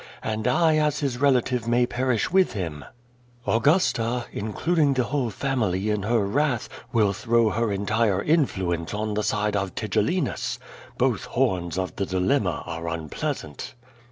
And I as his relative may ])erish with him. Au<riista, including the whole family in her wrath, will throw her entire influence on the side of Tigellinus. Both horns of the dilemma are unpleasant."